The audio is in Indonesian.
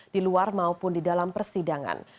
di luar maupun di dalam persidangan